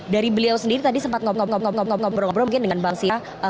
dari beliau sendiri tadi sempat ngobrol ngobrol mungkin dengan bang sya